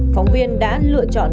phóng viên đã lựa chọn